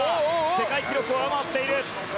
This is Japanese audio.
世界記録を上回っている。